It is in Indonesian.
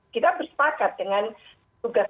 kita bersepakat dengan tugas pokok fungsi dan